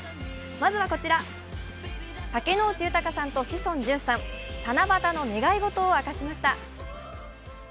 まずはこちら、竹野内豊さんと志尊淳さん、七夕の願い事を明かしました。